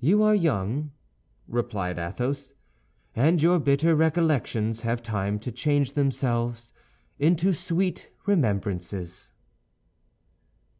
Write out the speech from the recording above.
"You are young," replied Athos; "and your bitter recollections have time to change themselves into sweet remembrances."